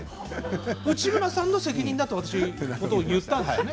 内村さんの責任だと私言ったんですね。